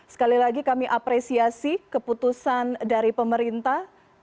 sekali lagi kami apresiasi keputusan dari pemerintah